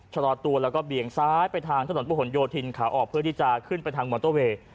ชะลอตัวแล้วก็เบี่ยงซ้ายไปทางถนนประหลโยธินขาออกเพื่อที่จะขึ้นไปทางมอเตอร์เวย์